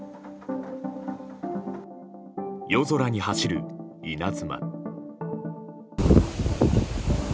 夜空に走る稲妻。